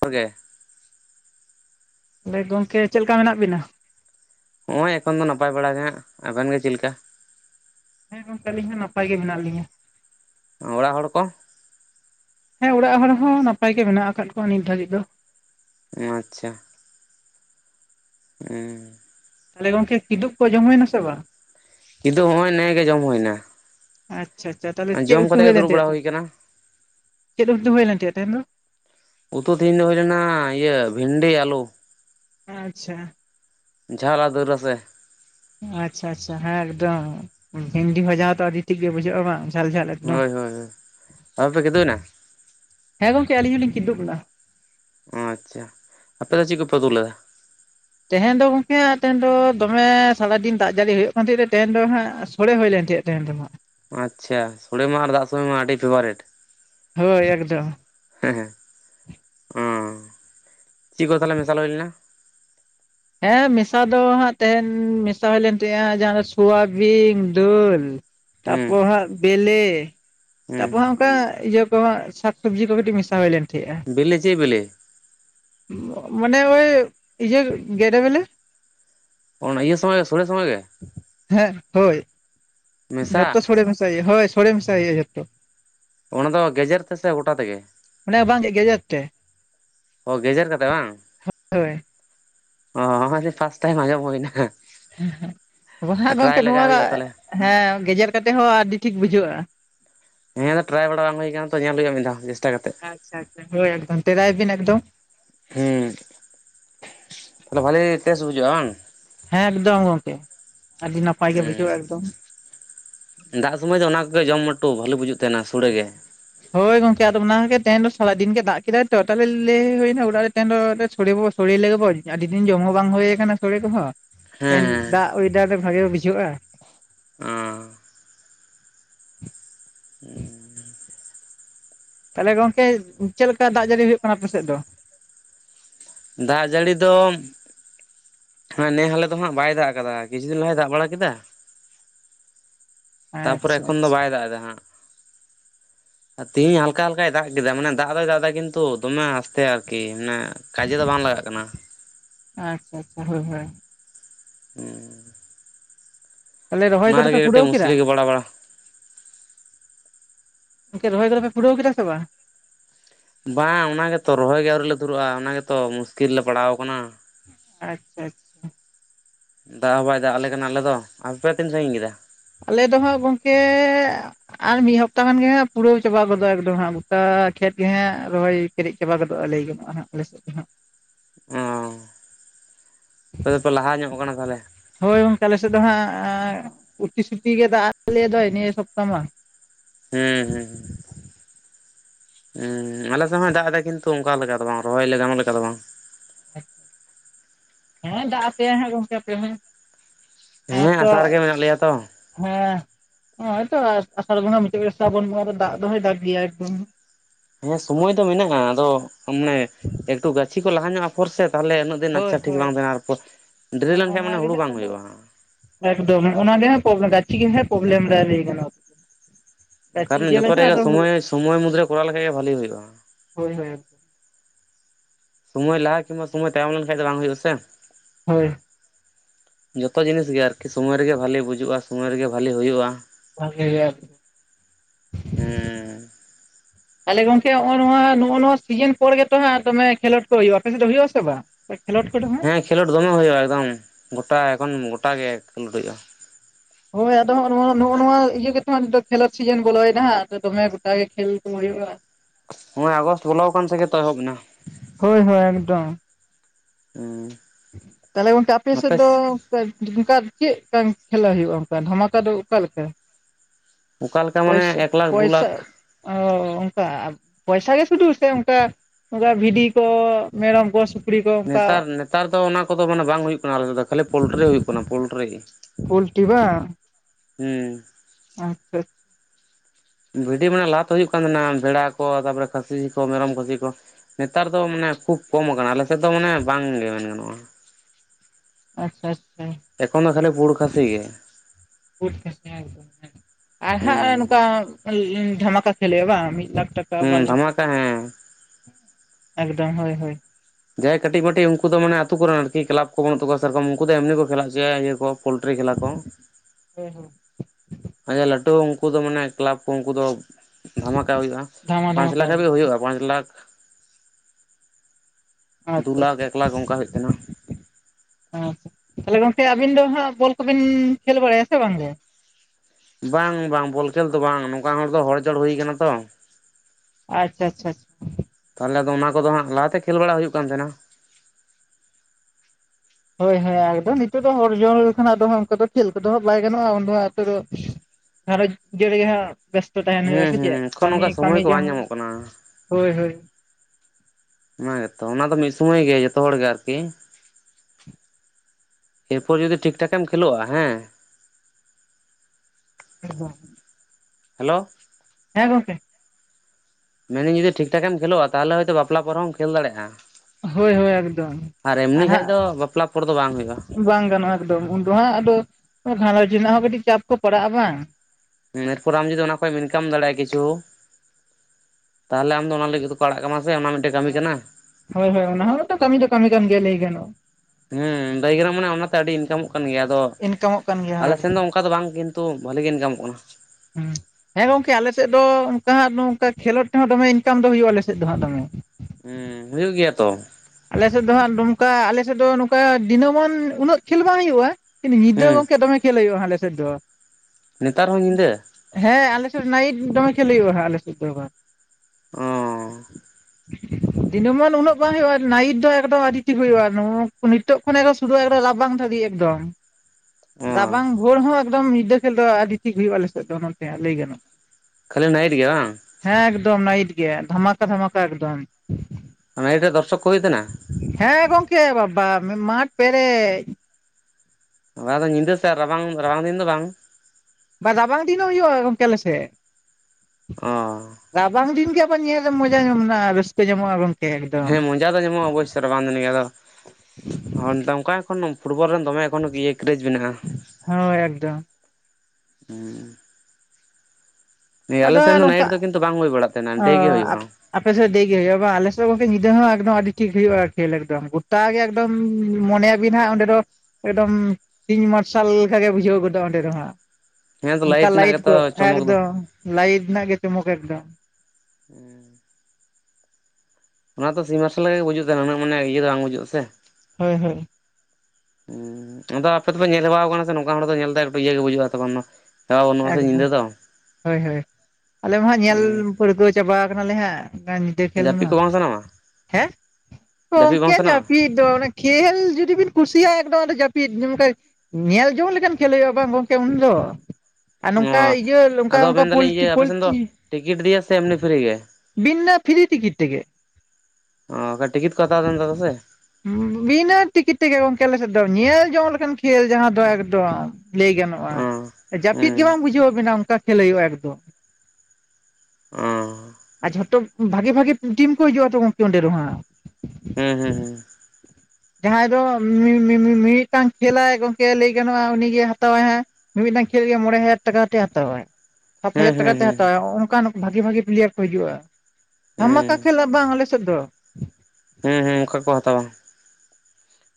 ᱠᱚ ᱜᱮ ᱞᱮ ᱜᱚᱝᱠᱮ ᱪᱮᱫ ᱞᱮᱠᱟ ᱢᱮᱱᱟᱜ ᱵᱤᱱᱟ? ᱱᱚᱜᱼᱭ ᱮᱠᱷᱚᱱ ᱫᱚ ᱱᱟᱯᱟᱭ ᱵᱟᱲᱟ ᱜᱮᱦᱟᱸᱜ, ᱟᱵᱮᱱ ᱜᱮ ᱪᱮᱜ ᱞᱮᱠᱟ? ᱦᱮᱸ ᱜᱚᱝᱠᱮ ᱟᱹᱞᱤᱧ ᱦᱚᱸ ᱱᱟᱯᱟᱭ ᱜᱮ ᱢᱮᱱᱟᱜ ᱞᱤᱧᱟᱹ᱾ ᱚᱸᱚᱲᱟᱜ ᱦᱚᱲ ᱠᱚ ᱦᱮᱸ ᱚᱲᱟᱜ ᱦᱚᱲ ᱦᱚᱸ ᱱᱟᱯᱟᱭ ᱜᱮ ᱢᱮᱱᱟᱜ ᱟᱠᱟᱫ ᱠᱚᱣᱟ ᱱᱤᱛ ᱫᱷᱵᱤᱡ ᱫᱚ᱾ ᱟᱪᱪᱷᱟ ᱩᱸ ᱛᱟᱦᱞᱮ ᱜᱚᱝᱠᱮ ᱠᱤᱫᱩᱵ ᱠᱚ ᱡᱚᱢ ᱦᱩᱭᱮᱱᱟ ᱥᱮ ᱵᱟᱝ? ᱠᱤᱫᱩᱜ ᱱᱚᱜᱼᱚᱭ ᱱᱮ ᱜᱮ ᱡᱚᱢ ᱦᱩᱭ ᱱᱟ ᱟᱪᱪᱷᱟ ᱟᱪᱪᱷᱟ ᱛᱟᱦᱚᱞᱮ ᱪᱮᱫ ᱩᱛᱩ ᱦᱩᱭᱞᱮᱱ ᱫᱩᱲᱩᱵ ᱵᱟᱲᱟ ᱛᱟᱦᱮᱸᱫ ᱦᱩᱭ ᱟᱠᱟᱱᱟ [inaudible] ᱪᱮᱫ ᱩᱛᱩ ᱦᱩᱭᱞᱮᱱ ᱛᱟᱦᱮᱸᱫ ᱛᱮᱦᱮᱱ ᱫᱚ ᱩᱛᱩ ᱛᱤᱦᱤᱱ ᱫᱚ ᱦᱩᱭ ᱞᱮᱱᱟ ᱤᱭᱟᱹ ᱵᱷᱤᱱᱰᱤ ᱟᱞᱩ ᱟ ᱪᱷᱟ ᱡᱷᱟᱞ ᱟᱨ ᱫᱟᱹᱞ ᱨᱟᱹᱥᱮ ᱟᱪᱪᱷᱟ ᱟᱪᱪᱷᱟ ᱦᱮᱸ ᱮᱠᱫᱚᱢ ᱵᱷᱤᱱᱰᱤ ᱵᱷᱟᱡᱟ ᱦᱚᱛᱚ ᱟᱹᱰᱤ ᱴᱷᱤᱠ ᱜᱮ ᱵᱩᱡᱷᱟᱹᱜᱼᱟ ᱵᱟᱝ ᱡᱷᱟᱞ ᱡᱷᱟᱞ ᱮᱠᱫᱚᱢ ᱦᱳᱭ ᱦᱳᱭ [inaudible] ᱠᱤᱫᱩᱜ ᱮᱱᱟ ᱦᱮᱸ ᱜᱚᱢᱠᱮ ᱟᱹᱞᱤᱧ ᱦᱚᱸᱞᱤᱧ ᱠᱤᱫᱩᱵᱱᱟ ᱟᱪᱪᱷᱟ ᱟᱯᱮ ᱫᱚ ᱪᱮᱫ ᱠᱚᱯᱮᱚᱫᱩᱞᱟ ᱛᱮᱦᱮᱱ ᱫᱚ ᱜᱚᱝᱠᱮ ᱟ ᱴᱦᱮᱧ ᱫᱚᱢᱮ ᱥᱟᱨᱟᱫᱤᱱ ᱫᱟᱜ ᱡᱟᱹᱨᱤ ᱦᱩᱭᱩᱜ ᱠᱟᱱ ᱛᱟᱦᱮᱸ ᱛᱮᱦᱮᱱ ᱫᱚ ᱦᱟᱸᱜ ᱥᱚᱲᱮ ᱦᱩᱭ ᱞᱮᱱ ᱛᱟᱦᱮᱸᱜ [inaudible] ᱟᱪᱪᱷᱟ ᱥᱳᱲᱮ ᱢᱟ ᱨᱟᱜ ᱥᱚᱢᱚᱭ ᱢᱟ ᱟᱹᱰᱤ ᱯᱷᱮᱵᱟᱨᱮᱴ ᱦᱳᱭ ᱮᱠᱫᱚᱢ ᱦᱮᱸ ᱦᱮᱸ ᱚ ᱪᱤᱫ ᱠᱚ ᱛᱟᱦᱚᱞᱮ ᱢᱮᱥᱟᱞ ᱦᱩᱭ ᱞᱮᱱᱟ ᱦᱮᱸ ᱢᱮᱥᱟ ᱫᱚ ᱦᱟᱸᱜ ᱛᱮᱦᱮᱱ ᱢᱮᱥᱟ ᱦᱩᱭᱞᱮᱱ ᱛᱟᱦᱮᱸᱼᱟ ᱡᱟᱦᱟᱸ ᱫᱚ ᱥᱚᱣᱟᱵᱤᱱ ᱫᱟᱹᱞ ᱦᱩᱸ ᱛᱟᱯᱚᱨ ᱦᱟᱸᱜ ᱵᱮᱞᱮ ᱦᱩᱸ ᱛᱟᱯᱚᱨ [inaudible] [inaudible] ᱤᱭᱟᱹ ᱠᱚ ᱦᱟᱜ ᱥᱟᱠᱥᱚᱵᱽᱡᱤ ᱠᱚ ᱠᱟᱹᱴᱤᱡ ᱢᱮᱥᱟ ᱦᱩᱭ ᱞᱮᱱ ᱛᱟᱦᱤᱸᱜᱼᱟ ᱵᱮᱹᱞᱮ ᱪᱮ ᱵᱮᱹᱞᱮ ᱢᱟᱱᱮ ᱳᱭ ᱤᱭᱟᱹ ᱜᱮᱰᱮ ᱵᱮᱹᱞᱮ ᱚᱱᱟ ᱤᱭᱟᱹ ᱥᱚᱢᱚᱭ ᱜᱮ ᱥᱚᱲᱮ ᱥᱚᱢᱚᱭ ᱜᱮ ᱢᱮᱥᱟ ᱡᱷᱚᱛᱛᱚ ᱥᱚᱲᱮ ᱢᱮᱥᱟᱭ ᱦᱳᱭ ᱥᱚᱲᱮ ᱢᱮᱥᱟᱭ ᱳᱭ ᱡᱚᱛᱛᱚ ᱚᱱᱟ ᱫᱚ ᱜᱮᱡᱮᱨ ᱛᱮ ᱥᱮ ᱜᱚᱴᱟ ᱛᱮᱜᱮ ᱚᱱᱮ ᱵᱟᱝ ᱜᱮ ᱜᱮᱡᱮᱨ ᱛᱮ ᱚ ᱜᱮᱡᱮᱨ ᱠᱟᱛᱮ ᱵᱟᱝ ᱦᱳᱭ ᱚ ᱚᱱᱟ ᱜᱮ ᱯᱷᱟᱹᱥᱴᱟᱭᱤᱢ ᱟᱡᱚᱢ ᱦᱩᱭ ᱱᱟ ᱦᱮᱸ [inaudible] ᱜᱚᱝᱠᱮ ᱱᱚᱣᱟ ᱦᱩᱭᱩᱜᱼᱟ ᱛᱟᱦᱚᱞᱮ ᱦᱮᱸ ᱜᱮᱡᱮᱨ ᱠᱟᱛᱮ ᱦᱚᱸ ᱟᱹᱰᱤ ᱴᱷᱤᱠ ᱵᱩᱡᱷᱟᱹᱜᱼᱟ ᱦᱮᱸ ᱫᱚ ᱴᱨᱟᱭ ᱵᱟᱲᱟ ᱵᱟᱝ ᱦᱩᱭ ᱠᱟᱱᱟ ᱛᱚ ᱧᱮᱞ ᱦᱩᱭᱩᱜᱼᱟ ᱢᱤᱫ ᱫᱷᱟ ᱪᱮᱥᱴᱟ ᱠᱟᱛᱮᱜ ᱟᱪᱪᱷᱟ ᱟᱪᱪᱷᱟ ᱦᱳᱭ ᱮᱠᱫᱚᱢ ᱴᱮᱨᱟᱭ ᱵᱤᱱ ᱮᱠᱫᱚᱢ ᱦᱮᱸ [inaudible] ᱵᱷᱟᱜᱤ ᱜᱮ ᱴᱮᱥ ᱵᱩᱡᱷᱟᱹᱜᱼᱟ ᱵᱟᱝ ᱦᱮᱸ ᱮᱠᱫᱚᱢ ᱜᱚᱝᱠᱮ ᱟᱹᱰᱤ ᱱᱟᱯᱟᱭ ᱜᱮ ᱵᱩᱡᱷᱟᱹ-ᱟ ᱮᱠᱫᱚᱢ ᱫᱟᱜ ᱥᱚᱢᱚᱭ ᱫᱚ ᱚᱱᱟ ᱠᱚᱜᱮ ᱡᱚᱢ ᱦᱚᱴᱩ ᱵᱷᱟᱹᱞᱤ ᱵᱩᱡᱩᱜ ᱛᱟᱦᱮᱱᱟ ᱥᱚᱲᱮ ᱜᱮ [inaudible] ᱥᱚᱲᱮ ᱵᱚ ᱥᱚᱲᱮ ᱞᱮᱜᱮ ᱵᱚ ᱟᱹᱰᱤ ᱫᱤᱱ ᱡᱚᱢ ᱦᱚᱸ ᱵᱟᱝ ᱦᱩᱭ ᱠᱟᱱᱟ ᱥᱚᱲᱮ ᱠᱚᱦᱚᱸ ᱱ ᱦᱮᱸ ᱫᱟᱜ ᱚᱭᱮᱫᱟᱨ ᱨᱮ ᱵᱷᱟᱜᱮ ᱵᱩᱡᱷᱟᱹᱣᱚᱜᱼᱟ [inaudible] ᱛᱟᱞᱦᱮ ᱜᱚᱢᱠᱮ ᱪᱮᱫ ᱞᱮᱠᱟ ᱫᱟᱜ ᱡᱟᱹᱲᱤ ᱦᱩᱭᱩᱜ ᱠᱟᱱᱟ ᱟᱯᱮ ᱥᱮᱫ ᱫᱚ ᱫᱟᱜ ᱡᱟᱹᱲᱤ ᱫᱚ ᱦᱮᱸ ᱱᱮ ᱦᱟᱞᱮ ᱫᱚ ᱦᱟᱸᱜ ᱵᱟᱭ ᱫᱟᱜ ᱠᱟᱫᱟ ᱠᱤᱪᱷᱩ ᱫᱤᱱ ᱞᱟᱦᱟᱭ ᱫᱟᱜ ᱵᱟᱲᱟ ᱠᱮᱫᱟ ᱛᱟᱯᱚᱨᱮ ᱟᱪᱪᱷᱟ ᱮᱠᱷᱚᱱ ᱫᱚ ᱟᱪᱪᱷᱟ ᱵᱟᱭ ᱫᱟᱜ ᱮᱫᱟ ᱦᱟᱸᱜ ᱛᱤᱦᱤᱧ ᱦᱟᱞᱠᱟ ᱦᱟᱞᱠᱟᱭ ᱫᱟᱜ ᱠᱮᱫᱟ ᱢᱟᱱᱮ ᱫᱟᱜ ᱫᱚᱭ ᱫᱟᱜ ᱫᱟ ᱠᱤᱱᱛᱩ ᱫᱚᱢᱮ ᱟᱥᱛᱮ ᱟᱨᱠᱤ [inaudible] ᱠᱟᱡᱮ ᱫᱚ ᱵᱟᱝ ᱞᱟᱜᱟᱜ ᱠᱟᱱᱟ ᱟᱪᱪᱷᱟ ᱟᱪᱪᱷᱟ ᱦᱳᱭ ᱦᱳᱭ ᱩᱸ ᱛᱟᱞᱦᱮ ᱨᱚᱦᱚᱭ ᱠᱚᱫᱚ ᱨᱮᱜᱮ ᱯᱮ ᱠᱟᱹᱴᱤᱡ ᱯᱩᱨᱟᱹᱣ ᱠᱮᱫᱟ? ᱢᱩᱥᱞᱤ ᱜᱮ ᱵᱟᱲᱟ ᱵᱟᱲᱟ ᱜᱚᱝᱠᱮ ᱨᱚᱦᱚᱭ ᱠᱚᱫᱚ ᱯᱮ ᱯᱩᱨᱟᱹᱣ ᱠᱮᱫᱟ ᱥᱮ ᱵᱟᱝ? ᱵᱟᱝ ᱚᱱᱟ ᱜᱮᱛᱚ ᱨᱚᱦᱚᱭ ᱜᱮ ᱟᱹᱣᱨᱤ ᱞᱮ ᱫᱷᱩᱨᱟᱹᱜᱼᱟ ᱚᱱᱟ ᱜᱮᱛᱚ ᱢᱩᱥᱠᱤᱞ ᱞᱮ ᱯᱟᱲᱟᱣ ᱠᱟᱱᱟ᱾ ᱟᱪᱪᱷᱟ ᱟᱪ ᱫᱟᱜ ᱦᱚᱸ ᱵᱟᱭ ᱫᱟᱜ ᱟᱞᱮ ᱠᱟᱱᱟ ᱟᱞᱮ ᱫᱚ, ᱟᱯᱮ ᱛᱤᱱ ᱥᱟᱺᱜᱤᱧ ᱠᱮᱫᱟ? ᱟᱞᱮ ᱫᱚ ᱦᱟᱸᱜ ᱜᱚᱢᱠᱮ ᱟᱨ ᱢᱤᱜ ᱦᱟᱯᱛᱟ ᱠᱷᱟᱱᱜᱮ ᱦᱟᱸᱜ ᱯᱩᱨᱟᱹᱣ ᱪᱟᱵᱟ ᱜᱚᱫᱚᱜ ᱮᱠᱫᱚᱢ ᱦᱟᱸᱜ ᱜᱚᱴᱟ ᱠᱷᱮᱛ ᱜᱮ ᱦᱟᱸᱜ ᱨᱚᱦᱚᱭ ᱯᱮᱨᱤᱡ ᱪᱟᱵᱟ ᱜᱚᱫᱚᱜ ᱞᱟᱹᱭ ᱜᱟᱱᱚᱜᱼᱟ ᱦᱟᱸᱜ ᱟᱞᱮ ᱥᱮᱜ ᱫᱚ ᱦᱟᱸᱜ᱾ ᱟᱯᱮ ᱫᱚ ᱯᱮ ᱞᱟᱦᱟ ᱧᱚᱜ ᱠᱟᱱᱟ ᱛᱟᱦᱞᱮ? ᱦᱳᱭ ᱜᱚᱝᱠᱮ ᱟᱞᱮᱥᱮᱫ ᱫᱚ ᱦᱟᱸᱜ ᱩᱛᱤ ᱥᱩᱴᱤ ᱜᱮ ᱫᱟᱜ ᱟᱞᱮ ᱫᱚ ᱱᱤᱭᱟᱹ ᱥᱚᱯᱛᱟᱢᱟ᱾ ᱦᱩᱸ ᱦᱩᱸ ᱦᱸᱩ ᱚᱸ ᱟᱞᱮ ᱥᱮᱫ ᱦᱚᱸ ᱫᱟᱜ ᱮ ᱠᱤᱱᱛᱩ ᱚᱝᱠᱟ ᱞᱮᱠᱟ ᱫᱚ ᱵᱟᱝ ᱨᱚᱦᱚᱭ ᱞᱮ ᱜᱟᱱᱚᱜ ᱞᱮᱠᱟ ᱫᱚ ᱵᱟᱝ᱾ ᱦᱮᱸ ᱫᱟᱜ ᱟᱯᱮᱭᱟᱭ ᱦᱟᱸᱜ ᱜᱚᱝᱠᱮ ᱟᱯᱮ ᱦᱚᱸ ᱦᱮᱸ ᱛᱚ ᱟᱥᱟ ᱨᱮᱜᱮ ᱢᱮᱱᱟᱜ ᱞᱮᱭᱟ ᱛᱚ᱾ ᱦᱮᱸ ᱦᱚᱸᱜᱼᱚᱭ ᱛᱚ ᱟᱥᱟᱲ ᱵᱚᱸᱜᱟ ᱢᱩᱪᱟᱹᱜ ᱥᱨᱟᱵᱚᱱ ᱵᱚᱸᱜᱟ ᱫᱟᱜ ᱫᱚ ᱦᱚᱸᱭ ᱫᱟᱜ ᱜᱮᱭᱟᱭ ᱛᱚ᱾ ᱦᱮᱸ ᱥᱚᱢᱚᱭ ᱫᱚ ᱢᱮᱱᱟᱜᱼᱟ ᱟᱫᱚ ᱢᱟᱱᱮ ᱮᱠᱴᱩ ᱜᱟᱹᱪᱷᱤ ᱠᱚ ᱞᱟᱦᱟ ᱧᱚᱜ ᱟᱯᱷᱚᱨ ᱥᱮ ᱛᱟᱦᱞᱮ ᱩᱱᱟᱹᱜ ᱫᱤᱱ ᱦᱳᱭ ᱟᱪᱪᱷᱟ ᱴᱷᱤᱠ ᱦᱳᱭ ᱵᱟᱝ ᱛᱟᱦᱮᱱᱟ ᱛᱟᱨᱯᱚᱨ ᱰᱨᱤ ᱦᱚᱜᱼᱚ ᱞᱮᱱᱠᱷᱟᱱ ᱢᱟᱱᱮ ᱱᱚᱣᱟ ᱜᱮ ᱦᱩᱲᱩ ᱦᱟᱸᱜ ᱵᱟᱝ ᱠᱚᱫᱚ ᱦᱩᱭᱩᱜᱼᱟ᱾ ᱮᱠᱫᱚᱢ ᱚᱱᱟᱜᱮ [unintelligible] ᱜᱟᱹᱪᱤ ᱜᱮ ᱦᱟᱜ ᱯᱚᱵᱞᱮᱢ ᱨᱮ ᱞᱟᱹᱭ ᱜᱟᱱᱚ ᱠᱟᱨᱚᱱ ᱡᱚᱛᱚ ᱨᱮ ᱥᱚᱢᱚᱭ ᱦᱳᱭ ᱥᱚᱢᱚᱭ ᱢᱩᱫᱽᱨᱮ ᱠᱚᱨᱟᱣ ᱞᱮᱠᱟᱱ ᱜᱮ ᱵᱷᱷᱟᱞᱤ ᱦᱩᱭᱩᱜᱼᱟ᱾ ᱦᱳᱭ ᱦᱳᱭ ᱥᱚᱢᱚᱭ ᱞᱟᱦᱟ ᱠᱤᱱᱵᱟ ᱥᱚᱢᱚᱭ ᱛᱟᱭᱚᱢ ᱞᱮᱱᱠᱷᱟᱱ ᱫᱚ ᱵᱟᱝ ᱦᱩᱭᱩᱜᱼᱟ ᱥᱮ᱾ ᱦᱳᱭ ᱡᱚᱛᱚ ᱡᱤᱱᱤᱥ ᱜᱮ ᱟᱨᱠᱤ ᱥᱳᱢᱳ ᱨᱮᱜᱮ ᱵᱷᱟᱞᱤ ᱵᱩᱡᱩᱜᱼᱟ ᱥᱳᱢᱚᱭ ᱨᱮᱜᱮ ᱵᱷᱟᱹᱞᱤ ᱦᱩᱭᱩᱜᱼᱟ᱾ ᱦᱩᱸ [unintelligible] ᱛᱟᱞᱮ ᱜᱚᱝᱠᱮ ᱱᱚᱜᱼᱚᱭ ᱱᱚᱣᱟ ᱱᱚᱜᱼᱚ ᱱᱚᱣᱟ ᱥᱤᱡᱤᱱ ᱯᱚᱨᱜᱮ ᱛᱚ ᱦᱟᱸᱜ ᱫᱚᱢᱮ ᱠᱷᱮᱞᱳᱰ ᱠᱚ ᱦᱩᱭᱩᱜᱼᱟ, ᱟᱯᱮᱥᱮᱜ ᱫᱚ ᱦᱩᱭᱩᱜᱼᱟ ᱥᱮ ᱵᱟᱝ? ᱳᱭ ᱠᱳᱭᱮᱰ ᱠᱚᱰᱚ ᱠᱚ ᱫᱚ ᱦᱟᱸᱜ᱾ ᱦᱮᱸ ᱠᱷᱮᱞᱳᱰ ᱫᱚᱢᱳ ᱦᱩᱭᱩᱜᱼᱟ ᱮᱠᱫᱚᱢ ᱜᱚᱴᱟ ᱮᱠᱷᱚᱱ ᱜᱚᱴᱟ ᱜᱮ ᱠᱷᱮᱞᱳᱰ ᱦᱩᱭᱩᱜᱼᱟ᱾ ᱦᱳᱭ ᱟᱫᱚ ᱱᱚᱜᱼ ᱱᱚᱣᱟ ᱱᱚᱜᱼᱚ ᱱᱚᱣᱟ ᱤᱭᱟᱹ ᱜᱮᱛᱮ ᱦᱟᱸᱜ ᱱᱤᱛᱚᱜ ᱠᱷᱮᱞᱳᱰ ᱥᱤᱡᱟᱱ ᱵᱚᱞᱚᱭᱱᱟ ᱦᱟᱸᱜ ᱟᱫᱚ ᱫᱚᱢᱮ ᱜᱚᱴᱟ ᱜᱮ ᱠᱷᱮᱞ ᱠᱚ ᱦᱩᱭᱩᱜᱼᱟ᱾ ᱱᱚᱜᱼᱚᱭ ᱟᱜᱚᱥᱴ ᱵᱚᱞᱚᱣ ᱠᱟᱱ ᱛᱮ ᱜᱮ ᱛᱚ ᱮᱦᱚᱵᱱᱟ᱾ ᱦᱳᱭ ᱦᱳᱭ ᱮᱠᱰᱚᱢ ᱦᱩᱸ ᱛᱟᱦᱞᱮ ᱜᱚᱱᱠᱮ ᱟᱯᱮ ᱥᱮᱫ ᱫᱚ ᱚᱱᱠᱟ ᱪᱮᱜᱠᱟ ᱠᱟᱱ ᱠᱷᱮᱞᱟ ᱦᱩᱭᱩᱜᱼᱟ ᱚᱱᱠᱟ ᱰᱷᱟᱢᱟᱠᱟ ᱫᱚ ᱚᱠᱟᱞᱮᱠᱟ? ᱚᱠᱟ ᱞᱮᱠᱟ ᱢᱟᱱᱮ ᱯᱚᱭᱥᱮ ᱮᱠ ᱞᱟᱠᱷ ᱫᱩ ᱯᱚᱭᱥᱟ ᱞᱟᱠᱷ ᱚᱸ ᱚᱝᱠᱟ ᱯᱚᱭᱥᱟ ᱜᱮ ᱥᱩᱫᱩ ᱥᱮ ᱚᱝᱠᱟ ᱚᱝᱠᱟ ᱵᱷᱤᱰᱤ ᱠᱚ ᱢᱮᱨᱚᱢ ᱠᱚ ᱥᱩᱠᱨᱤ ᱠᱚ ᱚᱝᱠᱟ ᱱᱮᱛᱟᱨ ᱱᱮᱛᱟᱨ ᱫᱚ ᱚᱱᱟ ᱠᱚ ᱫᱚ ᱢᱟᱱᱮ ᱵᱟᱝ ᱦᱩᱭᱩᱜ ᱠᱟᱱᱟ ᱟᱞᱮ ᱥᱮᱜ ᱫᱚ ᱠᱷᱟᱹᱞᱤ ᱯᱩᱞᱴᱨᱤ ᱦᱩᱭᱩᱜ ᱠᱟᱱᱟ ᱯᱩᱞᱴᱨᱤ᱾ ᱯᱩᱞᱴᱤ ᱵᱟᱸ ᱦᱩᱸ ᱟᱪᱪᱷᱟ ᱵᱷᱤᱰᱤ ᱢᱟᱱᱮ ᱞᱟᱦᱟᱛᱮ ᱦᱩᱭᱩᱜ ᱠᱟᱱ ᱛᱟᱦᱮᱱᱟ ᱵᱷᱮᱲᱟ ᱠᱚ ᱛᱟᱯᱚᱨᱮ ᱠᱷᱟᱹᱥᱤ ᱠᱚ ᱢᱮᱨᱚᱢ ᱠᱷᱟᱹᱥᱤ ᱠᱚ᱾ ᱱᱮᱛᱟᱨ ᱫᱚ ᱢᱟᱱᱮ ᱠᱷᱩᱵ ᱠᱚᱢ ᱟᱠᱟᱱᱟ ᱟᱞᱮ ᱥᱮᱫ ᱫᱚ ᱢᱟᱱᱮ ᱵᱟᱝ ᱜᱮ ᱢᱮᱱ ᱜᱟᱱᱚᱜᱼᱟ᱾ ᱟᱪᱪᱷᱟ ᱟᱪᱪᱷᱟ ᱮᱠᱷᱚᱱ ᱠᱷᱟᱹᱞᱤ ᱯᱳᱲ ᱠᱷᱟᱥᱤ ᱜᱮ᱾ [unintelligible] ᱟᱨ ᱦᱩᱸ ᱦᱟᱸᱜ ᱱᱚᱝᱠᱟ [unintelligible] ᱫᱷᱟᱢᱟᱠᱟ ᱠᱷᱮᱞᱮ ᱦᱳᱭᱳᱜᱼᱟ ᱵᱟᱝ ᱢᱤᱫ ᱞᱟᱠᱷ ᱴᱟᱠᱟ ᱵᱟᱨ ᱦᱩᱸ ᱞᱟᱠᱷ ᱫᱷᱟᱢᱟᱠᱟ ᱴᱟᱠᱟ? ᱦᱮᱸ ᱮᱠᱫᱚᱢ ᱦᱳᱭ ᱦᱳᱭ ᱡᱟᱦᱟᱸᱮᱭ ᱠᱟᱹᱴᱤᱡ ᱢᱟᱹᱴᱤᱡ ᱩᱝᱠᱩ ᱫᱚ ᱢᱟᱱᱮ ᱟᱛᱳ ᱠᱚᱨᱮᱱ ᱟᱨᱠᱤ ᱠᱞᱟᱵᱽ ᱠᱚ ᱵᱟᱹᱱᱩᱜ ᱛᱟᱠᱣᱟ ᱥᱮᱨᱚᱠᱚᱢ ᱩᱝᱠᱩ ᱫᱚ ᱮᱢᱱᱤ ᱠᱚ ᱠᱷᱮᱞᱟ ᱚᱪᱚᱭᱟ ᱤᱭᱟᱹ ᱠᱚ ᱯᱩᱞᱴᱨᱤ ᱠᱷᱮᱞᱟ ᱠᱚ᱾ ᱦᱮᱸ ᱦᱮᱸ ᱟᱪᱪᱷᱟ ᱞᱟᱹᱴᱩ ᱩᱱᱠᱩ ᱫᱚ ᱢᱟᱱᱮ ᱠᱞᱟᱵᱽ ᱠᱚ ᱩᱱᱠᱩ ᱫᱚ ᱫᱷᱟᱢᱟᱠᱟ ᱦᱩᱭᱩᱜᱼᱟ ᱫᱷᱟᱢᱟ ᱯᱟᱸᱪ ᱫᱷᱟᱢᱟ ᱠᱟ ᱞᱟᱠᱷ ᱦᱟᱹᱵᱤᱡ ᱮᱠᱫᱚᱢ ᱦᱩᱭᱩᱜᱼᱟ ᱯᱟᱸᱪ ᱞᱟᱠᱷ ᱫᱩ ᱟᱪᱪᱷᱟ ᱟᱪᱪᱷᱟ ᱞᱟᱠᱷ ᱸᱸ ᱮᱠ ᱞᱟᱠᱷ ᱚᱱᱠᱟ ᱦᱩᱭᱩᱜ ᱛᱟᱦᱮᱱᱟ ᱟᱷᱟ ᱛᱟᱦᱚᱞᱮ ᱜᱚᱝᱠᱮ ᱟᱹᱵᱤᱱ ᱫᱚ ᱦᱟᱸᱜ ᱵᱚᱞ ᱠᱚᱵᱤᱱ ᱠᱷᱮᱞ ᱵᱟᱲᱟᱭᱟ ᱥᱮ ᱵᱟᱝ ᱜᱮ ᱵᱟᱝ ᱵᱟᱝ ᱵᱚᱞ ᱠᱷᱮᱞ ᱫᱚ ᱵᱟᱝ ᱱᱚᱝ ᱠᱟᱱ ᱦᱚᱲ ᱫᱚ ᱦᱚᱲ ᱡᱚᱲ ᱦᱩᱭ ᱟᱠᱟᱱᱟ ᱛᱚ ᱟᱼᱪᱪᱷᱟ ᱪᱷᱟ ᱪᱷᱟ ᱛᱟᱦᱚᱞᱮ ᱫᱚ ᱚᱱᱟ ᱠᱚ ᱫᱚ ᱦᱟᱸᱜ ᱞᱟᱦᱟᱛᱮ ᱠᱷᱮᱞ ᱵᱟᱲᱟ ᱦᱩᱭᱩᱜ ᱠᱟᱱ ᱛᱟᱦᱮᱱᱟ ᱦᱳᱭ ᱦᱳᱭ ᱟᱫᱚ ᱱᱤᱛᱚᱜ ᱫᱚ ᱦᱚᱲ ᱡᱚᱝ ᱠᱷᱟᱫᱚ ᱚᱱᱠᱟ ᱫᱚ ᱪᱮᱫ ᱞᱮᱠᱟ ᱫᱚ ᱦᱟᱸᱜ ᱵᱟᱭ ᱜᱟᱱᱚᱜᱼᱟ ᱩᱱᱛᱳ ᱫᱚ ᱛᱟᱨ ᱡᱤ ᱦ ᱵᱮᱥᱛᱚ ᱛᱟᱦᱮᱱ ᱦᱩᱭᱩᱜᱼᱟ ᱦᱩᱸ ᱥᱮ ᱦᱩᱸ ᱪᱮᱫ ᱮᱠᱷᱚᱱ ᱠᱟᱹᱢᱤ ᱚᱱᱠᱟ ᱠᱟᱹᱢᱤ ᱥᱚᱢᱚᱭ ᱠᱚ ᱡᱚᱱ ᱵᱟᱝ ᱧᱟᱢᱚᱜ ᱠᱟᱱᱟ ᱦᱳᱭ ᱦᱳᱭ ᱚᱱᱟ ᱜᱮᱛᱚ ᱚᱱᱟ ᱫᱚ ᱢᱤᱫ ᱥᱳᱢᱚᱭ ᱜᱮ ᱡᱚᱛᱚ ᱦᱚᱲ ᱜᱮ ᱟᱨᱠᱤ ᱮᱨᱯᱚᱨ ᱡᱩᱫᱤ ᱴᱷᱤᱠ ᱴᱷᱟᱠᱮᱢ ᱠᱷᱮᱞᱳᱜ-ᱟ ᱦᱮᱸ [unintelligible] ᱦᱮᱞᱳ ᱦᱮᱸ ᱜᱚᱝᱠᱮ ᱢᱮᱱᱟᱹᱧ ᱡᱩᱤ ᱴᱷᱤᱠ ᱴᱷᱟᱠᱮᱢ ᱠᱷᱮᱞᱳᱜ-ᱟ, ᱛᱟᱦᱚᱞᱮ ᱦᱚᱭᱛᱚ ᱵᱟᱯᱞᱟ ᱯᱚᱨ ᱦᱚᱸᱢ ᱠᱷᱮᱞ ᱫᱟᱲᱭᱟᱜᱼᱟ ᱦᱳᱭ ᱦᱳᱭ ᱮᱠᱫᱚᱢ ᱟᱨ ᱮᱢᱱᱤ ᱠᱷᱟ ᱫᱚ ᱵᱟᱯᱞᱟ ᱯᱚᱨ ᱫᱚ ᱵᱟᱝ ᱦᱩᱭᱩᱜᱼᱟ ᱵᱟᱝ ᱜᱟᱱᱚᱜᱼᱟ ᱮᱠᱫᱚᱢ ᱩᱱ ᱫᱚ ᱦᱟᱸᱜ ᱟᱫᱚ ᱜᱷᱟᱨᱚᱸᱡᱽ ᱨᱮᱱᱟᱜ ᱦᱚᱸ ᱠᱟᱹᱴᱤᱡ ᱪᱟᱯ ᱠᱚ ᱯᱟᱲᱟᱜᱼᱟ ᱵᱟᱝ ᱮᱨᱯᱚᱨ ᱟᱢ ᱡᱩᱚᱫᱤ ᱚᱱᱟ ᱠᱷᱚᱱᱚ ᱮᱢ ᱤᱱᱠᱟᱢᱟᱲᱮᱭᱟᱜᱼᱟ ᱠᱤᱷᱩ ᱛᱟᱦᱚᱞᱮ ᱟᱢ ᱫᱚ ᱚᱱᱟ ᱞᱟᱹᱜᱤᱫ ᱫᱚᱠᱚ ᱟᱲᱟᱜ ᱠᱟᱢᱟ ᱥᱮ ᱚᱱᱟ ᱢᱤᱫᱴᱮᱱ ᱠᱟᱹᱢᱤ ᱠᱟᱱᱟ ᱦᱳᱭ ᱦᱳᱭ ᱚᱱᱟ ᱦᱚᱸᱛᱚ ᱠᱟᱹᱢᱤ ᱫᱚ ᱠᱟᱹᱢᱤ ᱠᱟᱱ ᱜᱮᱭᱟ ᱞᱟᱹᱭ ᱜᱟᱱᱚᱜ ᱦᱮᱸ ᱞᱟᱹᱭᱜᱟᱱᱚᱜ-ᱟ ᱢᱟᱱᱮ ᱚᱱᱟᱛᱮ ᱟᱹᱰᱤ ᱤᱱᱠᱟᱢᱚᱜ ᱠᱟᱱ ᱜᱮᱭᱟ ᱟᱫᱚ ᱤᱱᱠᱟᱢᱚᱜ ᱠᱟᱱ ᱜᱮᱭᱟ ᱦᱮ ᱟᱞᱮ ᱥᱮᱱ ᱫᱚ ᱚᱱᱠᱟ ᱫᱚ ᱵᱟᱝ ᱠᱤᱱᱛᱩ ᱵᱷᱟᱹᱞᱤ ᱜᱮ ᱤᱱᱠᱟᱢᱚᱜ ᱠᱟᱱᱟ ᱦᱩ ᱦᱮᱸ ᱜᱚᱝᱠᱮ ᱟᱞᱮ ᱥᱮᱫ ᱫᱚ ᱚᱱᱠᱟ ᱦᱜ ᱱᱚᱝᱠᱟ ᱠᱷᱮᱞᱳᱰ ᱛᱮᱦᱚᱸ ᱫᱚᱢᱮ ᱤᱱᱠᱟᱢ ᱫᱚ ᱦᱩᱭᱩᱜᱼᱟ ᱟᱞᱮ ᱥᱮᱫ ᱫᱚᱜ ᱫᱚᱢᱮ ᱦᱩᱸ ᱦᱩᱭᱩᱜ ᱜᱮᱭᱟ ᱛᱚ ᱟᱞᱮ ᱥᱮᱫ ᱫᱚ ᱦᱟᱜ ᱱᱚᱝᱠᱟ ᱟᱞᱮ ᱥᱮᱫ ᱫᱚ ᱱᱚᱝᱠᱟ ᱫᱤᱱᱟᱹᱢᱟᱱ ᱩᱱᱟᱹᱜ ᱠᱷᱮᱞ ᱵᱟᱝ ᱦᱩᱭᱩᱜᱼᱟ ᱧᱤᱫᱟᱹ ᱦᱩᱸ ᱜᱚᱢᱠᱮ ᱫᱚᱢᱮ ᱠᱷᱮᱞ ᱦᱩᱭᱩᱜᱼᱟ ᱟᱞᱮ ᱥᱮᱫ ᱫᱚ ᱱᱮᱛᱟᱨ ᱦᱚᱸ ᱧᱤᱫᱟᱹ ᱦᱮᱸ ᱟᱞᱮᱥᱮᱫ ᱱᱟᱭᱤᱴ ᱫᱚᱢᱮ ᱠᱷᱮᱞ ᱦᱩᱭᱩᱜᱼᱟ ᱦᱟᱜ ᱟᱞᱮᱥᱮᱫ ᱫᱚ ᱟᱵᱟᱨ ᱚ ᱫᱤᱱᱟᱹ ᱢᱟᱱ ᱩᱱᱟᱹᱜ ᱵᱟᱝ ᱦᱩᱭᱩᱜᱼᱟ ᱱᱟᱭᱤᱴ ᱫᱚ ᱮᱠᱫᱚᱢ ᱟᱰᱤ ᱴᱷᱤᱠ ᱦᱩᱭᱩᱜᱼᱟ ᱱᱤᱛᱚᱜ ᱠᱷᱚᱱ ᱥᱩᱨᱩ ᱮᱠᱫᱚᱢ ᱨᱟᱵᱟᱝ ᱫᱷᱟᱵᱤᱡ ᱮᱠᱫᱚᱢ ᱚ ᱨᱟᱵᱟᱝ ᱵᱷᱳᱨ ᱦᱚᱸ ᱮᱠᱫᱚᱢ ᱧᱤᱫᱟᱹ ᱠᱷᱮᱞ ᱫᱚ ᱟᱹᱰᱤ ᱴᱷᱤᱠ ᱦᱩᱭᱩᱜᱼᱟ ᱟᱞᱮ ᱥᱮᱫ ᱫᱚ ᱱᱚᱛᱮ ᱞᱟᱹᱭ ᱜᱟᱱᱚᱜᱼᱟ ᱠᱷᱟᱞᱤ ᱱᱟᱭᱴ ᱜᱮ ᱵᱟᱝ ᱦᱮᱸ ᱮᱠᱫᱚᱢ ᱱᱟᱭᱤᱴ ᱜᱮ ᱫᱷᱟᱢᱟᱠᱟ ᱫᱷᱟᱢᱟᱠᱟ ᱮᱠᱫᱚᱢ ᱱᱟᱭᱴᱮ ᱨᱮ ᱫᱚᱨᱥᱚᱠ ᱠᱚ ᱦᱩᱭᱩᱜ ᱛᱟᱦᱮᱱᱟ ᱦᱮᱸ ᱜᱚᱝᱠᱮ ᱵᱟᱵᱵᱟ ᱢᱟᱴᱷ ᱯᱮᱨᱮᱡ ᱟᱱᱟ ᱫᱚ ᱧᱤᱫᱟᱹ ᱥᱮ ᱨᱟᱵᱟᱝ ᱨᱟᱵᱟᱝ ᱫᱤᱱ ᱫᱚ ᱵᱟᱝ ᱵᱟ ᱨᱟᱵᱟᱝ ᱫᱤᱱ ᱦᱚᱸ ᱦᱩᱭᱩᱜᱼᱟ ᱜᱚᱢᱠᱮ ᱟᱞᱮᱥᱮ ᱚ ᱨᱟᱵᱟᱝ ᱫᱤᱱ ᱜᱮ ᱧᱮᱞᱨᱮ ᱢᱚᱡᱟ ᱧᱟᱢᱚᱜ-ᱟ ᱨᱟᱹᱥᱠᱟᱹ ᱧᱟᱢᱚᱜᱼᱟ ᱮᱠᱫᱚᱢ ᱦᱮᱸ ᱢᱚᱡᱟ ᱫᱚ ᱧᱟᱢᱚᱜᱼᱟ ᱚᱵᱚᱥᱥᱳ ᱨᱟᱵᱟᱝ ᱫᱤᱱ ᱜᱮ ᱟᱫᱚ ᱯᱷᱩᱴᱵᱚᱞ ᱨᱮᱱ ᱫᱚᱢᱮ ᱦᱳᱭ ᱮᱠᱫᱚᱢ [unintelligible] ᱱᱤᱭᱟᱹ ᱟᱞᱮ ᱟᱫᱚ ᱥᱮᱱ ᱦᱟᱸᱜ ᱫᱚ ᱱᱚᱝᱠᱟ ᱱᱟᱭᱤᱴ ᱫᱚ ᱠᱤᱱᱛᱩ ᱵᱟᱝ ᱦᱩᱭ ᱵᱟᱲᱟᱜ ᱛᱟᱦᱮᱱᱟ ᱰᱮ ᱜᱮ ᱦᱩᱭᱩᱜᱼᱟ ᱟᱯᱮᱥᱮᱫ ᱰᱮ ᱜᱮ ᱦᱩᱭᱩᱜᱼᱟ ᱵᱟᱝ ᱟᱞᱮ ᱥᱮᱫ ᱜᱚᱝᱠᱮ ᱧᱤᱫᱟᱹ ᱦᱚᱸ ᱮᱠᱫᱚᱢ ᱟᱹᱰᱤ ᱴᱷᱤᱠ ᱦᱩᱭᱩᱜᱼᱟ ᱠᱷᱮᱞ ᱜᱚᱴᱟ ᱜᱮ ᱮᱠᱫᱚᱢ ᱮᱠᱫᱚᱢ ᱢᱚᱱᱮᱭᱟ ᱵᱤᱱ ᱦᱟᱸᱜ ᱚᱸᱰᱮ ᱫᱚ ᱮᱠᱫᱚᱢ ᱥᱤᱧ ᱢᱟᱨᱥᱟᱞ ᱞᱮᱠᱟᱜᱮ ᱵᱩᱡᱷᱟᱹᱣ ᱜᱚᱫᱚᱜ-ᱟ ᱚᱸᱰᱮ ᱫᱚ ᱦᱟᱜ ᱦᱮᱸ ᱛᱚ ᱚᱱᱠᱟ ᱨᱮᱱᱟᱜ ᱞᱟᱭᱤᱴ ᱠᱚ ᱜᱮᱛᱚ ᱪᱚᱢᱚᱠ ᱫᱚ ᱮᱠᱫᱚᱢ ᱞᱟᱭᱤᱴ ᱨᱮᱱᱟᱜ ᱜᱮ ᱪᱩᱢᱠ ᱮᱠᱫᱚᱢ [unintelligible] ᱚᱱᱟ ᱫᱚ ᱥᱤᱧᱢᱟᱨᱥᱟᱞ ᱞᱮᱠᱟᱜᱮ ᱵᱩᱡᱩᱜ ᱛᱟᱦᱮᱱᱟ ᱩᱱᱟᱹᱜ ᱢᱟᱱᱮ ᱤᱭᱟᱹ ᱫᱚ ᱵᱟᱝ ᱵᱩᱡᱷᱟᱜᱼᱟ ᱥᱮ ᱦᱳᱭ ᱦᱳᱭ ᱦᱩᱸ ᱟᱫᱚ ᱟᱯᱮ ᱫᱚᱚᱯᱮ ᱧᱮᱞ ᱦᱮᱣᱟ ᱟᱠᱟᱱᱟ ᱥᱮ ᱱᱚᱝᱠᱟ ᱦᱚᱲ ᱫᱚ ᱧᱮᱞ ᱛᱮ ᱤᱭᱟᱹ ᱜᱮ ᱵᱩᱡᱩᱜ-ᱟ ᱛᱚᱠᱷᱚᱱ ᱫᱚ ᱦᱮᱣᱟ ᱵᱟᱹᱱᱩᱜᱼᱟ ᱥᱮ ᱮᱠᱫᱚᱢ ᱧᱤᱫᱟᱹ ᱫᱚ ᱦᱳᱭ ᱦᱳᱭ ᱟᱞᱮ ᱢᱟ ᱦᱟᱜ ᱧᱮᱞ ᱯᱟᱹᱨᱠᱟᱹᱣ ᱪᱟᱵᱟ ᱠᱟᱱᱟᱞᱮ ᱦᱟᱸᱜ ᱧᱤᱫᱟᱹ ᱠᱷᱮᱞ ᱡᱟᱹᱯᱤᱫ ᱢᱟ ᱠᱚ ᱵᱟᱝ ᱥᱟᱱᱟᱣᱟ ᱦᱮᱸ ᱡᱟᱹᱯᱤᱫ ᱵᱟᱝ ᱜᱚᱝᱠᱮ ᱥᱟᱱᱟᱣᱟ ᱡᱟᱹᱯᱤᱫ ᱫᱚ ᱚᱱᱟ ᱠᱷᱮᱞ ᱡᱩᱫᱤ ᱵᱤᱱ ᱠᱩᱥᱤᱭᱟᱜ-ᱟ ᱮᱠᱫᱚᱢ ᱟᱫᱚ ᱡᱟᱹᱯᱤᱫ ᱱᱤᱝᱠᱟ ᱧᱮᱞ ᱡᱚᱝ ᱞᱮᱠᱟᱱ ᱠᱷᱮᱞ ᱦᱩᱭᱩᱜ-ᱟ ᱵᱟᱝ ᱜᱚᱝᱠᱮ ᱩᱱᱫᱚ ᱟᱨ ᱱᱚᱝᱠᱟ ᱚ ᱤᱭᱟᱹ ᱱᱚᱝᱠᱟ ᱟᱫᱚ ᱚᱝᱠᱟ ᱢᱮᱱᱫᱟᱞᱤᱧ ᱯᱳᱞᱴᱤ ᱤᱭᱟᱹ ᱟᱯᱮ ᱥᱮᱱ ᱫᱚ ᱯᱳᱞᱴᱤᱨᱤ ᱴᱤᱠᱤᱴ ᱫᱤᱭᱮ ᱥᱮ ᱮᱢᱱᱤ ᱯᱷᱤᱨᱤ ᱜᱮ ᱵᱤᱱᱱᱟᱹ ᱯᱷᱤᱨᱤ ᱴᱤᱠᱤᱴ ᱛᱮᱜᱮ ᱚ ᱴᱤᱠᱤᱴ ᱠᱚ ᱦᱟᱛᱟᱣ ᱫᱟ ᱱᱤᱛᱟᱨ ᱫᱚᱥᱮ ᱵᱤᱱᱟᱹ ᱴᱤᱠᱤᱴ ᱛᱮᱜᱮ ᱜᱚᱝᱠᱮ ᱟᱞᱮᱥᱮᱫ ᱫᱚ ᱧᱮᱞ ᱡᱚᱝ ᱞᱮᱠᱟᱱ ᱠᱷᱮᱞ ᱡᱟᱦᱟᱸ ᱫᱚ ᱮᱠᱫᱚᱢ ᱞᱟᱹᱭ ᱚ ᱜᱟᱱᱚᱜ-ᱟ ᱡᱟᱹᱯᱤᱫ ᱦᱩᱸ ᱜᱮ ᱵᱟᱝ ᱵᱩᱡᱷᱟᱹᱣ ᱵᱤᱱᱟ ᱚᱱᱠᱟ ᱠᱷᱮᱞ ᱦᱳᱭᱳᱜ-ᱟ ᱮᱠᱫᱚᱢ ᱚ ᱟᱨ ᱡᱷᱚᱛᱚ ᱵᱷᱟᱜᱮ ᱵᱷᱟᱜᱮ ᱴᱤᱢ ᱠᱚ ᱦᱤᱡᱩᱜ-ᱟ ᱛᱚ ᱜᱚᱝᱠᱮ ᱚᱸᱰᱮ ᱨᱮᱦᱚᱸ ᱦᱮᱸ ᱦᱩᱸ ᱦᱩᱸ ᱡᱟᱦᱟᱸᱭ ᱫᱚ ᱢᱤᱢᱤᱫᱴᱟᱝ ᱠᱷᱮᱞᱟᱭ ᱜᱚᱝᱠᱮ ᱞᱟᱹᱭ ᱜᱟᱱᱚᱜ-ᱟ ᱩᱱᱤᱜᱮ ᱦᱟᱛᱟᱣᱟᱭ ᱦᱟᱸᱜ ᱢᱤᱢᱤᱫᱟᱝ ᱠᱷᱮᱞ ᱜᱮ ᱢᱚᱬᱮ ᱦᱟᱡᱟᱨ ᱴᱟᱠᱟ ᱠᱟᱛᱮ ᱦᱟᱛᱟᱣᱟᱭ ᱥᱟᱛ ᱦᱩᱸ ᱦᱟᱡᱟᱨ ᱦᱩᱸ ᱴᱟᱠᱟᱛᱮ ᱦᱩᱸ ᱦᱟᱛᱟᱣᱟ ᱚᱱᱠᱟᱱ ᱵᱷᱟᱜᱤ ᱵᱷᱟᱜᱤ ᱯᱞᱮᱭᱟᱨ ᱠᱚ ᱦᱤᱡᱩᱜ-ᱟ ᱫᱷᱟᱢᱟᱠᱟ ᱦᱮᱸ ᱠᱷᱮᱞᱟ ᱵᱟᱝ ᱞᱮ ᱥᱮᱫ ᱫᱚ ᱦᱮᱸ ᱦᱮᱸ ᱚᱝᱠᱟ ᱠᱚ ᱦᱟᱛᱟᱣᱟ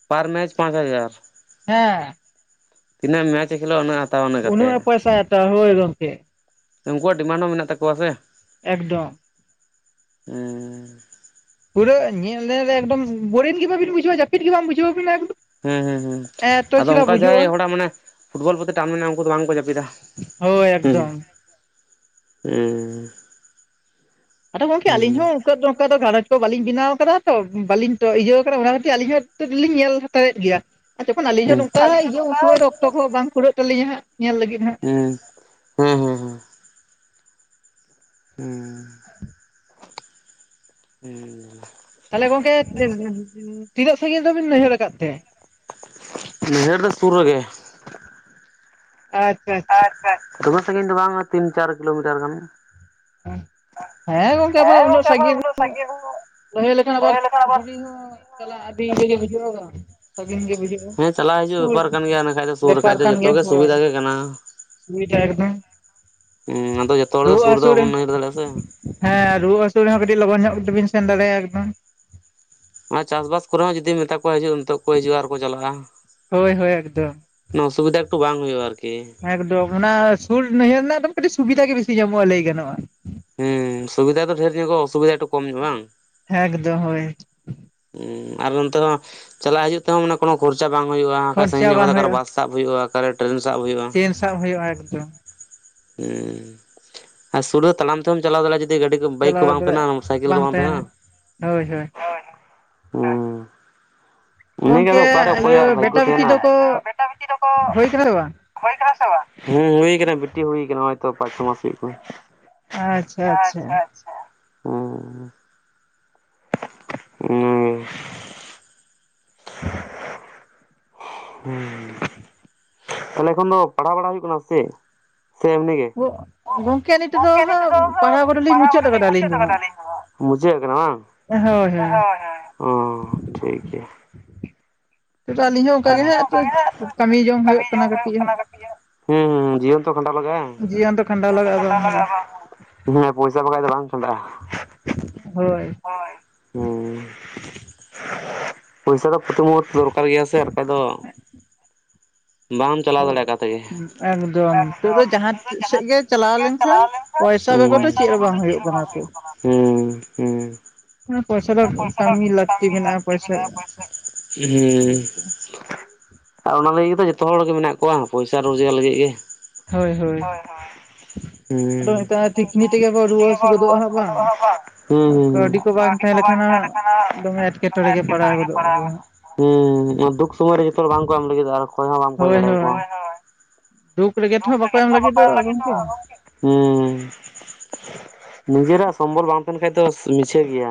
ᱯᱟᱨ ᱢᱮᱪ ᱯᱟᱸᱪ ᱦᱟᱡᱟᱨ ᱦᱮᱸ ᱛᱤᱱᱟᱹᱜ ᱢᱮᱪ ᱠᱷᱮᱞᱳᱜ-ᱟ ᱩᱱᱟᱹᱜ ᱦᱟᱛᱟᱣᱟ ᱠᱟᱛᱮ ᱩᱱᱟᱹᱜ ᱮ ᱯᱚᱭᱥᱟ ᱮ ᱦᱟᱛᱟᱣᱟ ᱦᱳᱭ ᱜᱚᱢᱠᱮ ᱩᱱᱠᱩᱣᱟᱜ ᱰᱤᱢᱟᱱᱰ ᱦᱚᱸ ᱢᱮᱱᱟᱜ ᱛᱟᱠᱚᱣᱟ ᱥᱮ ᱮᱠᱫᱚᱢ ᱩᱸᱻ ᱯᱩᱨᱟᱹ ᱧᱮᱞ ᱧᱮᱞ ᱨᱮ ᱮᱠᱫᱚᱢ ᱵᱚᱨᱤᱱ ᱜᱮ ᱵᱟᱵᱤᱱ ᱵᱩᱡᱷᱟᱹᱣᱟ ᱡᱟᱹᱯᱤᱫ ᱜᱮ ᱵᱟᱝ ᱵᱩᱡᱷᱟᱹᱣ ᱵᱤᱱᱟ ᱮᱠ ᱦᱮᱸ ᱦᱮᱸ ᱦᱮᱸ ᱟᱫᱚ ᱚᱱᱠᱟ ᱡᱟᱦᱟᱸᱭ ᱦᱚᱲᱟᱜ ᱢᱟᱱᱮ ᱯᱷᱩᱴᱵᱚᱞ ᱯᱨᱚᱛᱤ ᱴᱟᱱ ᱢᱮᱱᱟᱜ ᱩᱱᱠᱩ ᱫᱚ ᱵᱟᱝ ᱠᱚ ᱡᱟᱹᱯᱤᱫᱟ ᱦᱳᱭ ᱦᱮᱸ ᱮᱠᱫᱚᱢ [unintelligible] ᱟᱫᱚ ᱜᱚᱢᱠᱮ ᱦᱮᱸ ᱟᱹᱞᱤᱧ ᱦᱚᱸ ᱛᱚᱜᱫᱚ ᱱᱚᱝᱠᱟ ᱫᱚ ᱜᱷᱟᱨᱚᱸᱡᱽ ᱠᱚ ᱵᱟᱹᱞᱤᱧ ᱵᱮᱱᱟᱣ ᱠᱟᱫᱟ ᱛᱚ ᱵᱟᱹᱞᱤᱧ ᱤᱭᱟᱹ ᱠᱟᱱᱟ ᱚᱱᱟ ᱠᱷᱟᱹᱛᱤᱨ ᱟᱹᱞᱤᱧ ᱦᱚᱸ ᱧᱮᱞ ᱦᱟᱛᱟᱨᱮᱫ ᱜᱮᱭᱟ ᱟᱨ ᱡᱚᱠᱷᱚᱱ ᱟᱹᱞᱤᱧ ᱦᱮᱸ ᱦᱚᱸ ᱱᱚᱝᱠᱟ ᱤᱭᱟᱹ ᱩᱱᱥᱚᱢᱚᱭ ᱚᱠᱛᱚ ᱠᱚ ᱵᱟᱝ ᱠᱩᱩᱨᱟᱹᱜ ᱛᱟᱹᱞᱤᱧᱟ ᱦᱟᱜ ᱧᱮᱞ ᱞᱟᱹᱜᱤᱫ ᱦᱟᱸᱜ ᱦᱩᱸ ᱦᱮᱸ ᱦᱮᱸ ᱦᱮᱸ ᱦᱮᱸ ᱛᱟᱦᱚᱞᱮ ᱜᱚᱝᱠᱮ ᱛᱤᱱᱟᱹᱜ ᱥᱟᱺᱜᱤᱧ ᱫᱚᱵᱤᱱ ᱱᱟᱹᱭᱦᱟᱹᱨ ᱟᱠᱟᱫ ᱛᱮ ᱱᱟᱹᱭᱦᱟᱹᱨ ᱫᱚ ᱥᱩᱨ ᱨᱮ ᱜᱮ ᱟᱪ ᱟᱪᱪᱷᱟ ᱫᱚᱢᱮ ᱥᱟᱺᱜᱤᱧ ᱫᱚ ᱵᱟᱝ ᱛᱤᱱ ᱪᱟᱨ ᱠᱤᱞᱳᱢᱤᱴᱟᱨ ᱜᱟᱱ ᱦᱮᱸ ᱜᱚᱝᱠᱮ ᱩᱱᱟᱹᱜ ᱟᱵᱟᱨ ᱥᱟᱺᱜᱤᱧ ᱩᱱᱟᱹᱜ ᱥᱟᱺᱜᱤᱧ ᱱᱟᱹᱭᱦᱟᱹᱨ ᱞᱮᱠᱷᱟᱱ ᱟᱵᱟᱨ ᱫᱤᱞᱤ ᱦᱚᱸ ᱪᱟᱞᱟᱜ ᱟᱹᱰᱤ ᱤᱭᱟᱹ ᱜᱮ ᱵᱩᱡᱩᱜ-ᱟ ᱥᱟᱺᱜᱤᱧ ᱜᱮ ᱵᱩᱡᱷᱟᱹᱜ-ᱟ ᱦᱮᱸ ᱪᱟᱞᱟᱜ ᱦᱤᱡᱩᱜ ᱥᱩᱨ ᱵᱮᱯᱟᱨ ᱠᱟᱱ ᱜᱮᱭᱟ ᱤᱱᱟᱹ ᱠᱷᱟᱡ ᱫᱚ ᱥᱩᱨ ᱵᱮᱯᱟᱨ ᱨᱮᱠᱷᱟᱡ ᱫᱚ ᱠᱟᱱ ᱡᱚᱛᱚ ᱜᱮᱭᱟ ᱜᱮ ᱦᱳᱭ ᱥᱩᱵᱤᱫᱷᱟ ᱜᱮ ᱠᱟᱱᱟ ᱥᱩᱵᱤᱫᱷᱟ ᱮᱠᱫᱚᱢ ᱦᱩᱸ ᱟᱫᱚ ᱡᱚᱛᱚ ᱦᱚᱲ ᱫᱚ ᱨᱩᱣᱟᱹᱜ ᱥᱩᱨ ᱨᱮ ᱫᱚ ᱦᱟᱹᱥᱩ ᱵᱟᱵᱚᱱ ᱱᱟᱹᱭᱦᱟᱹᱨ ᱫᱟᱲᱮ-ᱟᱥᱮ ᱦᱮᱸ ᱨᱩᱣᱟᱹ ᱦᱟᱹᱥᱩ ᱨᱮᱦᱚᱸ ᱠᱟᱹᱴᱤᱡ ᱞᱚᱜᱚᱱ ᱧᱚᱜ ᱛᱮᱵᱤᱱ ᱥᱮᱱ ᱫᱟᱲᱮᱭᱟᱜ-ᱟ ᱮᱠᱫᱚᱢ ᱟ ᱪᱟᱥᱵᱟᱥ ᱠᱚᱨᱮ ᱦᱚᱸ ᱡᱩᱫᱤᱢ ᱢᱮᱛᱟ ᱠᱚᱣᱟ ᱦᱤᱡᱩᱜ ᱱᱤᱛᱚᱜ ᱠᱚ ᱦᱤᱡᱩᱜ-ᱟ ᱟᱨ ᱠᱚ ᱪᱟᱞᱟᱜ-ᱟ ᱦᱳᱭ ᱦᱳᱭ ᱮᱠᱫᱚᱢ ᱚᱥᱩᱵᱤᱫᱷᱟ ᱮᱠᱴᱩ ᱵᱟᱝ ᱦᱩᱭᱩᱜ-ᱟ ᱟᱨᱠᱤ ᱮᱠᱫᱚᱢ ᱚᱱᱟ ᱥᱩᱨ ᱱᱟᱹᱭᱦᱟᱹᱨ ᱨᱮᱱᱟᱜ ᱠᱟᱹᱴᱤᱡ ᱥᱩᱵᱤᱫᱷᱟ ᱜᱮ ᱵᱮᱥᱤ ᱧᱟᱢᱚᱜ-ᱟ ᱞᱟᱹᱭ ᱜᱟᱱᱚᱜ-ᱟ ᱦᱩᱸ ᱥᱩᱵᱤᱫᱟ ᱰᱷᱮᱨ ᱧᱚᱜ-ᱟ ᱚᱥᱩᱵᱤᱫᱷᱟ ᱮᱠᱴᱩ ᱠᱚᱢ ᱧᱚᱜ ᱵᱟᱝ ᱦᱮᱸᱠᱫᱚᱢ ᱦᱳᱭ ᱦᱩᱸ ᱟᱨ ᱱᱚᱱᱛᱮ ᱦᱚᱸ ᱪᱟᱞᱟᱜ ᱦᱤᱡᱩᱜ ᱛᱮᱦᱚ ᱢᱟᱱᱮ ᱠᱚᱱᱚ ᱠᱷᱚᱨᱪᱟ ᱵᱟᱝ ᱦᱩᱭᱩᱜ-ᱟ ᱠᱷᱟᱡ ᱥᱟᱺᱜᱤᱧ ᱠᱷᱚᱨᱪᱟ ᱧᱚᱜ ᱵᱟᱝ ᱠᱟᱛᱮ ᱦᱩᱭᱩᱜᱼᱟ ᱵᱟᱥ ᱥᱟᱵ ᱦᱩᱭᱩᱜ-ᱟ ᱚᱠᱟᱨᱮ ᱴᱨᱮᱱ ᱥᱟᱵ ᱦᱩᱭᱩᱜ-ᱟ ᱪᱮᱱ ᱥᱟᱵ ᱦᱩᱭᱩᱜᱼᱟ ᱮᱠᱫᱚᱢ, ᱦᱩ ᱟᱨ ᱥᱩᱨᱟᱹ ᱛᱟᱲᱟᱢ ᱛᱮᱦᱚᱸᱢ ᱪᱟᱞᱟᱣ ᱫᱟᱲᱮᱭᱟᱜ ᱡᱩ ᱜᱟᱹᱰᱤ ᱠᱚ ᱵᱟᱭᱤᱠ ᱠᱚ ᱵᱟᱝ ᱛᱟᱦᱮᱸ ᱥᱟᱭᱠᱮᱞ ᱠᱚ ᱵᱟᱝ ᱛᱟᱦᱮᱱᱟ, ᱦᱳᱭ ᱦᱳᱭ ᱤᱱᱟᱹᱜ ᱜᱚᱝᱠᱮ ᱚᱠᱟᱨᱮ ᱤᱭᱟᱹ ᱚᱠᱚᱭᱟᱜ ᱵᱷᱟᱜᱚ ᱵᱮᱴᱟ ᱵᱤᱴᱤ ᱛᱟᱦᱮᱱᱟ [unintelligible] ᱫᱚᱠᱚ ᱦᱩᱭ ᱠᱟᱱᱟ ᱥᱮ ᱵᱟᱝ ᱦᱳᱭ ᱠᱟᱱᱟ ᱥᱮ ᱵᱟᱝ? ᱦᱩᱸ ᱦᱩᱭ ᱠᱟᱱᱟ ᱵᱤᱴᱤ ᱦᱩᱭ ᱚᱭᱛᱚ ᱯᱟᱸᱪ ᱪᱷᱚ ᱢᱟᱥ ᱦᱩᱭ ᱠᱟᱱᱟ᱾ ᱟᱪᱪᱷᱟ ᱟᱪᱪᱷᱟ ᱦᱩᱸ᱾ [inaudible] ᱦᱩᱸ ᱛᱟᱦᱚᱞᱮ ᱮᱠᱷᱚᱱ ᱫᱚ ᱯᱟᱲᱦᱟᱣ ᱵᱟᱲᱟ ᱦᱩᱭᱩᱜ ᱠᱟᱱᱟ ᱥᱮ? ᱮᱢᱱᱤ ᱜᱮ, ᱜᱚ ᱜᱚᱝᱠᱮ ᱱᱤᱛᱚᱜ ᱫᱚ ᱜᱚᱝᱠᱮ ᱟᱹᱞᱤᱧ ᱛᱮᱫᱚ ᱦᱟᱸᱜ ᱠᱚᱫᱚᱞᱤᱧ ᱯᱟᱲᱦᱟᱣ ᱢᱩᱪᱟᱹᱫ ᱠᱚᱫᱚ ᱞᱤᱧ ᱟᱠᱟᱫᱟ ᱟᱹᱞᱤᱧ ᱢᱩᱪᱟᱹᱫ ᱫᱚ ᱦᱟᱸᱜ ᱟᱠᱟᱫᱟᱞᱤᱧ ᱦᱚᱸ, ᱢᱩᱪᱟᱹᱫ ᱠᱟᱱᱟ ᱵᱟᱝ? ᱦᱳᱭ ᱦᱳᱭ ᱚ ᱴᱷᱤᱠ ᱜᱮᱭᱟ, ᱱᱤᱛᱚᱜ ᱫᱚ ᱟᱹᱞᱤᱧ ᱦᱚᱸ ᱚᱱᱠᱟ ᱜᱮ ᱠᱟᱹᱢᱤ ᱦᱟᱸᱜ ᱠᱟᱹᱢᱤ ᱦᱩᱭᱩᱜ ᱠᱟᱱᱟ ᱡᱚᱝ ᱠᱟᱹᱴᱤᱡ ᱦᱟᱸᱜ᱾ ᱦᱩᱭᱩᱜ ᱦᱮᱸ ᱡᱤᱭᱚᱱ ᱛᱚ ᱠᱷᱟᱸᱰᱟᱣ ᱞᱟᱜᱟᱭ᱾ ᱡᱤᱭᱚᱱ ᱫᱚ ᱠᱷᱟᱸᱰᱟᱣ ᱞᱟᱜᱟᱜᱼᱟ ᱵᱟᱝ ᱦᱮᱸ ᱯᱚᱭᱥᱟ ᱵᱟᱠᱷᱟᱡ ᱫᱚ ᱵᱟᱝ ᱠᱷᱟᱸᱰᱟᱜᱼᱟ᱾ ᱦᱳᱭ ᱦᱮᱸ ᱯᱚᱭᱥᱟ ᱫᱚ ᱯᱨᱚᱛᱤ ᱢᱩᱦᱩᱨᱛᱚ ᱫᱚᱨᱠᱟᱨ ᱜᱮᱭᱟ ᱥᱮ ᱵᱟᱠᱷᱟᱡ ᱫᱚ, ᱵᱟᱢ ᱪᱟᱞᱟᱣ ᱫᱟᱲᱮᱭᱟᱜ ᱚᱠᱟ ᱛᱮᱜᱮ᱾ ᱮᱠᱫᱚᱢ ᱱᱤᱛᱚᱜ ᱫᱚ ᱡᱟᱦᱟᱸ ᱥᱮᱫ ᱡᱟᱦᱟᱸ ᱜᱮ ᱥᱮᱫ ᱜᱮᱢ ᱪᱟᱞᱟᱣ ᱞᱮᱱᱠᱷᱟᱱ ᱯᱚᱭᱥᱟ ᱵᱮᱜᱚᱨ ᱫᱚ ᱦᱮᱸ ᱪᱮᱫ ᱦᱚᱸ ᱵᱟᱝ ᱦᱩᱭᱩᱜ ᱠᱟᱱᱟ ᱛᱚ ᱦᱮᱸ ᱦᱮᱸ ᱦᱮ ᱯᱚᱭᱥᱟ ᱯᱚᱭᱥᱟ ᱠᱟᱹᱢᱤ ᱞᱟᱹᱠᱛᱤ ᱠᱟᱱᱟ ᱯᱚᱭᱥᱟ ᱦᱮᱸ ᱟᱨ ᱚᱱᱟ ᱞᱟᱹᱜᱤᱫ ᱛᱮ ᱛᱚ ᱡᱚᱛᱚ ᱦᱚᱲ ᱜᱮ ᱢᱮᱱᱟᱜ ᱵᱟᱝ ᱯᱚᱭᱥᱟ ᱨᱳᱡᱽᱜᱟᱨ ᱞᱟᱹᱜᱤᱫ ᱜᱮ, ᱦᱳᱭ ᱦᱳᱭ ᱟᱫᱚ ᱱᱮᱛᱟᱨ ᱛᱤᱠᱱᱤ ᱛᱮᱜᱮ ᱵᱚ ᱨᱩᱣᱟᱹ ᱦᱟᱹᱥᱩ ᱜᱚᱫᱚᱜᱼᱟ ᱦᱟᱸᱜ ᱵᱟᱝ ᱦᱩᱸ ᱦᱩᱸ ᱠᱟᱹᱣᱰᱤ ᱠᱚ ᱛᱟᱦᱮᱸ ᱵᱟᱝ ᱞᱮᱠᱷᱟᱱ ᱛᱟᱦᱮᱸᱱ ᱦᱟᱸᱜ ᱫᱚᱢᱮ ᱠᱷᱟᱱ ᱯᱟᱲᱟᱣ ᱮᱴᱠᱮᱴᱚᱬᱮ ᱜᱮ ᱜᱚᱫᱚᱜ ᱯᱟᱲᱦᱟᱣ᱾ ᱟᱵᱚᱱ᱾ ᱦᱩᱸ ᱫᱩᱠ ᱥᱩᱢᱚᱭ ᱨᱮ ᱡᱚᱛᱚ ᱦᱚᱲ ᱵᱟᱝᱠᱚ ᱮᱢ ᱞᱟᱹᱜᱤᱫ ᱟᱨ ᱠᱷᱚᱭ ᱦᱚᱸ ᱵᱟᱢ ᱠᱷᱚᱭ ᱦᱳᱭ ᱫᱟᱲᱮᱭᱟᱠᱚᱣᱟ ᱦᱳᱭ ᱫᱩᱠ ᱨᱮᱜᱮᱡ ᱛᱚ ᱵᱟᱝ ᱠᱚ ᱮᱢ ᱞᱟᱹᱜᱤᱛᱚᱜ ᱟ ᱜᱚᱢᱠᱮ᱾ ᱦᱮᱸ ᱱᱤᱡᱮᱨᱟᱜ ᱥᱚᱢᱵᱚᱞ ᱵᱟᱝ ᱛᱟᱦᱮᱱ ᱠᱷᱟᱡ ᱫᱚ ᱢᱤᱪᱷᱟᱹ ᱜᱮᱭᱟ᱾